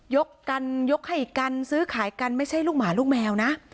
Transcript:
ยกกันยกให้กันซื้อขายกันไม่ใช่ลูกหมาลูกแมวนะ